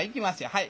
はい。